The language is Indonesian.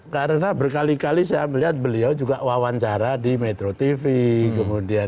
karena berkali kali saya melihat beliau juga wawancara di metro tv kemudian